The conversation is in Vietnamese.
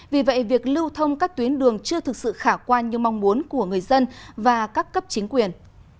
vì vậy việc lưu thông các tuyến đường chưa thực sự khả quan như mong muốn của người dân và các cấp chính quyền